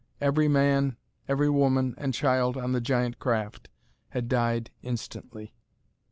Every man, every woman and child on the giant craft, had died instantly!